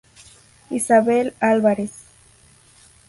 Isabel Alvarez.